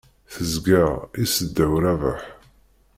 Teẓẓgeɣ, issedaw Rabaḥ.